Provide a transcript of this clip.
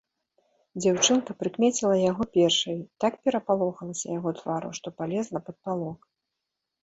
Дзяўчынка прыкмеціла яго першаю і так перапалохалася яго твару, што палезла пад палок.